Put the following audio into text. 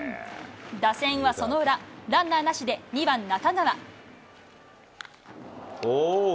打線はその裏、ランナーなしで２番中川。